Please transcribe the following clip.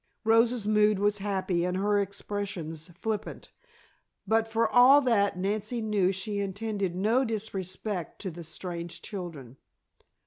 Rosa's mood was happy and her expressions flippant, but for all that Nancy knew she intended no disrespect to the strange children.